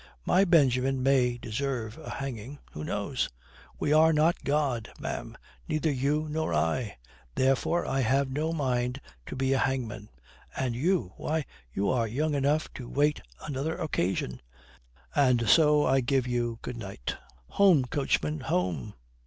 My Benjamin may deserve a hanging. Who knows? We are not God, ma'am, neither you nor I. Therefore I have no mind to be a hangman. And you why, you are young enough to wait another occasion. And so I give you good night. Home, coachman, home."